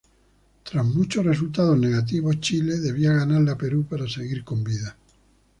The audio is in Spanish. Tras muchos resultados negativos Chile debía ganarle a Perú para seguir con vida.